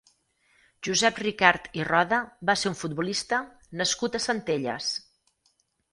Josep Ricart i Roda va ser un futbolista nascut a Centelles.